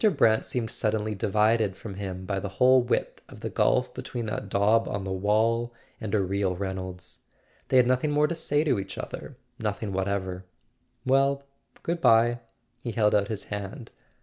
Brant seemed suddenly divided from him by the whole width of the gulf between that daub on the wall and a real Reynolds. They had nothing more to say to each other [ 352 ] A SON AT THE FRONT —nothing whatever. "Well, good bye." He held out his hand.